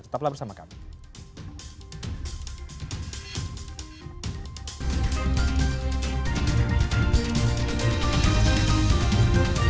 tetaplah bersama kami